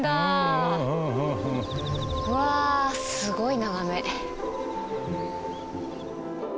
わあすごい眺め。